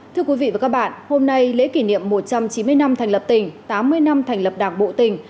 thưa quý vị và các bạn hôm nay lễ kỷ niệm một trăm chín mươi năm thành lập tỉnh tám mươi năm thành lập đảng bộ tỉnh